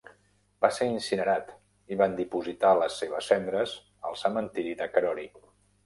Va ser incinerat i van dipositar les seves cendres al cementiri de Karori.